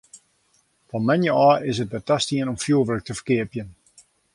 Fan moandei ôf is it wer tastien om fjoerwurk te ferkeapjen.